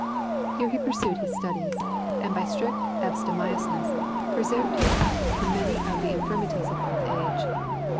Here he pursued his studies, and by strict abstemiousness, preserved himself from many of the infirmities of old age.